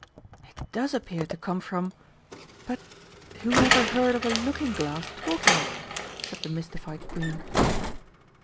"It does appear to come from but whoever heard of a looking glass talking?" said the mystified Queen.